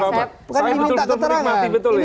saya betul betul menikmati betul ya